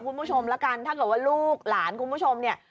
คุณผู้ชมละกันถ้าเกิดว่าลูกหลานคุณผู้ชมเนี่ย